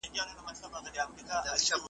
تا مي له سیوري بېلولای نه سم .